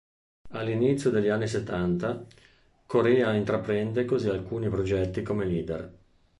All'inizio degli anni settanta, Corea intraprende così alcuni progetti come leader.